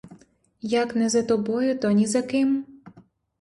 Як не за тобою, то ні за ким.